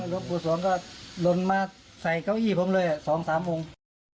หลวงปู่สวงก็ลนมาใส่เก้าอี้ผมเลย๒๓องค์